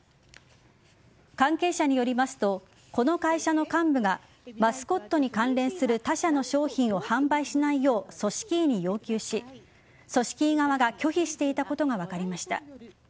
関係者によりますとこの会社の幹部がマスコットに関連する他社の商品を販売しないよう組織委に要求し組織委側が拒否していたことが分かりました。